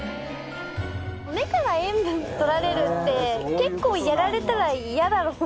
目から塩分とられるって結構やられたらやだろうな。